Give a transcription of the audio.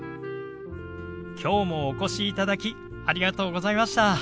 今日もお越しいただきありがとうございました。